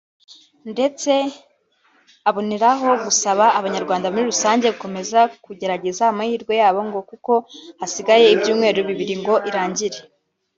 ndetse anaboneraho gusaba abanyarwanda muri rusange gukomeza kugerageza amahirwe yabo ngo kuko hasigaye ibyumweru bibiri ngo irangire